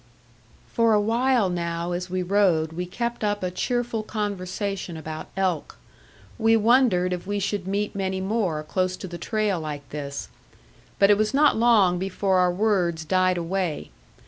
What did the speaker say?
For a while now as we rode we kept up a cheerful conversation about elk. We wondered if we should meet many more close to the trail like this; but it was not long before our words died away.